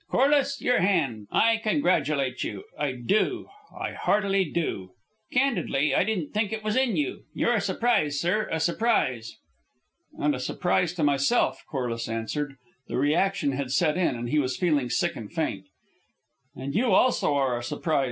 Corliss, your hand. I congratulate you, I do, I heartily do. Candidly, I didn't think it was in you. You're a surprise, sir, a surprise!" "And a surprise to myself," Corliss answered. The reaction had set in, and he was feeling sick and faint. "And you, also, are a surprise.